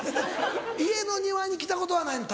家の庭に来たことはないの？